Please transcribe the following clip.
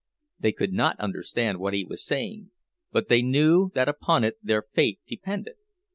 They could not understand what he was saying, but they knew that upon it their fate depended.